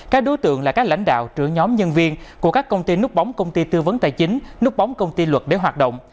các đối tượng là các lãnh đạo trưởng nhóm nhân viên của các công ty nút bóng công ty tư vấn tài chính nút bóng công ty luật để hoạt động